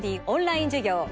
オンライン授業